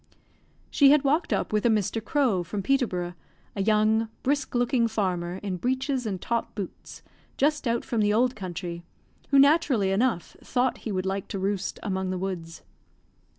She had walked up with a Mr. Crowe, from Peterborough, a young, brisk looking farmer, in breeches and top boots, just out from the old country, who, naturally enough, thought he would like to roost among the woods.